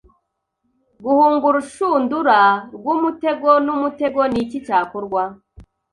guhunga urushundura rwumutego numutego Niki cyakorwa